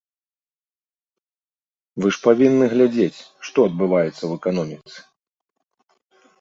Вы ж павінны глядзець, што адбываецца ў эканоміцы.